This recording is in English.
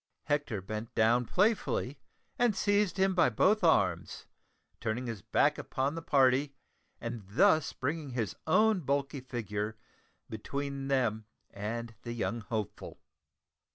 Hector bent down playfully and seized him by both arms, turning his back upon the party, and thus bringing his own bulky figure between them and young Hopeful.